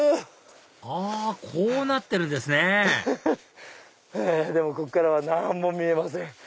あこうなってるんですねでもこっからは何も見えません